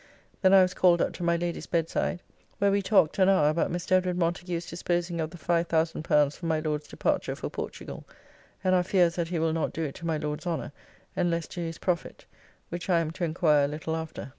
Then I was called up to my Lady's bedside, where we talked an hour about Mr. Edward Montagu's disposing of the L5000 for my Lord's departure for Portugal, and our fears that he will not do it to my Lord's honour, and less to his profit, which I am to enquire a little after.